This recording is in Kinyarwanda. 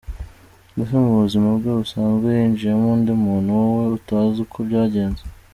Mbese mu buzima bwe busanzwe hinjiyemo undi muntu wowe utazi uko byagenze.